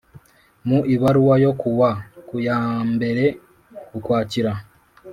mu ibaruwa yo ku wa kuyambere ukwakira